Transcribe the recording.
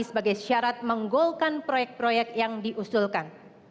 sebagai syarat menggolkan proyek proyek yang diusulkan